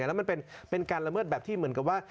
แล้วมันเป็นการละเมิดแบบที่เหมือนกับว่า